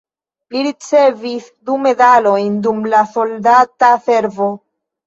Li ricevis du medalojn dum la soldata servo.